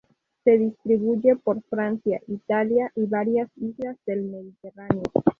Se distribuye por Francia, Italia, y varias islas del Mediterráneo.